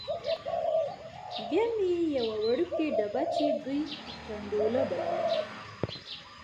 بیا مې یوه وړوکې ډبه چې دوی ګنډولا بلله.